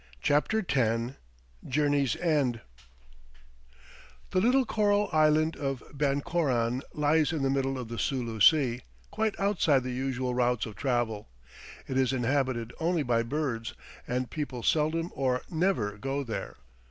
CHAPTER X JOURNEY'S END The little coral island of Bancoran lies in the middle of the Sulu Sea, quite outside the usual routes of travel. It is inhabited only by birds, and people seldom or never go there.